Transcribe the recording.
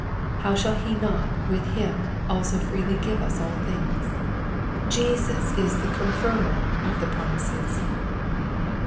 "How shall he not with him also freely give us all things?" Jesus is the Confirmer of the promises.